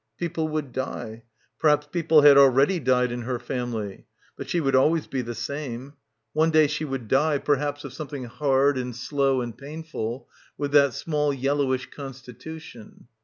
People would die. Perhaps people had already died in her family. But she would al — 267 — PILGRIMAGE ways be the same. One day she would die, per haps of something hard and slow and painful with that small yellowish constitution.